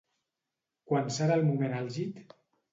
Quan serà el moment àlgid?